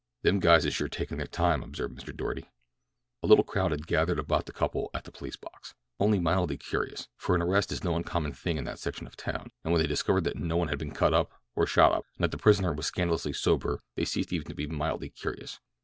"Them guys is sure takin' their time," observed Mr. Doarty. A little crowd had gathered about the couple at the police box, only mildly curious, for an arrest is no uncommon thing in that section of town; and when they discovered that no one had been cut up, or shot up, and that the prisoner was scandalously sober they ceased even to be mildly curious.